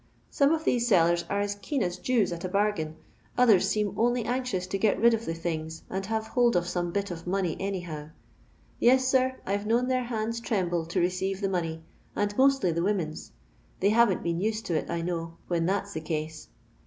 Some of these sellers are as keen as Jews at a bargain ; others seem only anxious to get rid of the tliini^s and have hold of some bit of money anyhow. Yes, sic, I 've known their hands tremble to receive the money, and mostly the women's. They haven't been used to it, I know, when that's the case.